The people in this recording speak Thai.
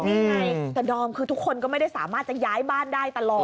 นี่ไงแต่ดอมคือทุกคนก็ไม่ได้สามารถจะย้ายบ้านได้ตลอด